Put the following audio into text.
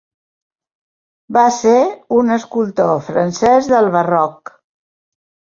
Va ser un escultor francès del barroc.